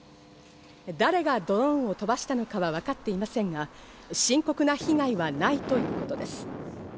誰がドローンを飛ばしたのかは分かっていませんが、深刻な被害はないということです。